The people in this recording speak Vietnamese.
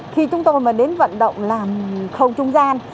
khi chúng tôi mà đến vận động làm khâu trung gian